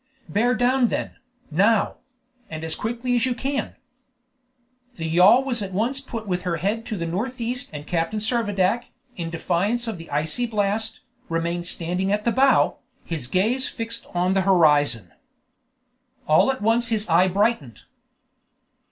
"Bear down then, now; and as quickly as you can." The yawl was at once put with her head to the northeast and Captain Servadac, in defiance of the icy blast, remained standing at the bow, his gaze fixed on the horizon. All at once his eye brightened.